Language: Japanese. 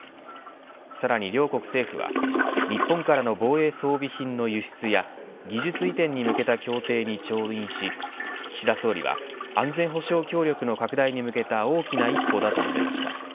さらに両国政府は日本からの防衛装備品の輸出や技術移転に向けた協定に調印し岸田総理は安全保障協力の拡大に向けた大きな一歩だと述べました。